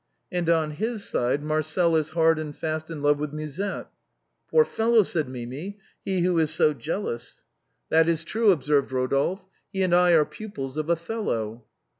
" And on his side, Marcel is hard and fast in love with Musette." " Poor fellow !" said Mimi ;" he who ts so jealous." " That is true," observed Rodolphe ; "he and I are pupils of Othello."